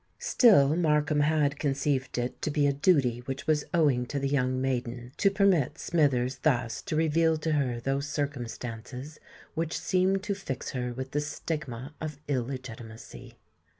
Still Markham had conceived it to be a duty which was owing to the young maiden, to permit Smithers thus to reveal to her those circumstances which seemed to fix her with the stigma of illegitimacy.